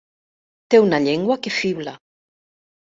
Té una llengua que fibla.